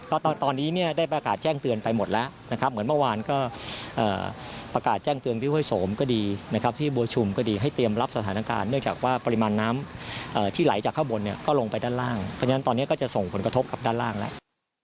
ก็ตอนนี้เนี่ยได้ประกาศแจ้งเตือนไปหมดแล้วนะครับเหมือนเมื่อวานก็ประกาศแจ้งเตือนที่ห้วยโสมก็ดีนะครับที่บัวชุมก็ดีให้เตรียมรับสถานการณ์เนื่องจากว่าปริมาณน้ำที่ไหลจากข้างบนเนี่ยก็ลงไปด้านล่างเพราะฉะนั้นตอนนี้ก็จะส่งผลกระทบกับด้านล่างแล้ว